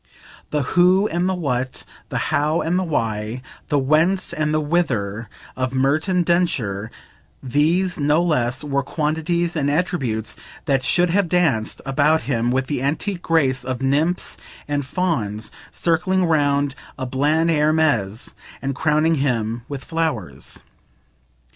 The who and the what, the how and the why, the whence and the whither of Merton Densher, these, no less, were quantities and attributes that should have danced about him with the antique grace of nymphs and fauns circling round a bland Hermes and crowning him with flowers.